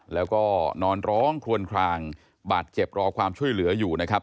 แล้วก็นอนร้องคลวนคลางบาดเจ็บรอความช่วยเหลืออยู่นะครับ